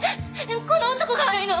この男が悪いの！